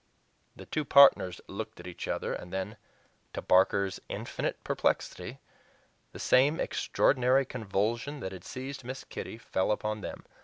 The two partners looked at each other, and then, to Barker's infinite perplexity, the same extraordinary convulsion that had seized Miss Kitty fell upon them.